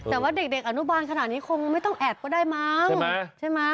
แต่ว่าเด็กอนุบาลขนาดนี้คงไม่ต้องแอบก็ได้มั้งใช่ไหม